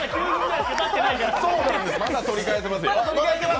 まだ取り返せますよ！